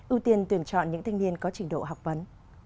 ưu tiên tuyển chọn những thanh niên có trình độ học vấn